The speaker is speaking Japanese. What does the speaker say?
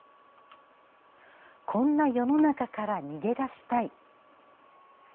「こんな世の中から逃げ出したい！」。